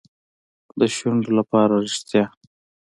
د شونډو لپاره ریښتیا.